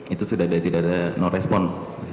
itu sudah tidak ada no respon